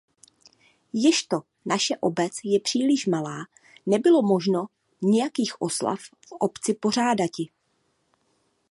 Ježto naše obce je příliš malá, nebylo možno nijakých oslav v obci pořádati.